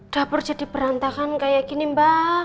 dapur jadi berantakan kayak gini mbak